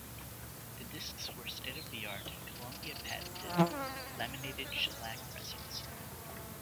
The discs were state-of-the-art, Columbia-patented, laminated shellac pressings.